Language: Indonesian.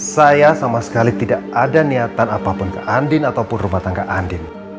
saya sama sekali tidak ada niatan apapun ke andin ataupun rumah tangga andin